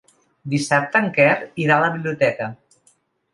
Dissabte en Quer irà a la biblioteca.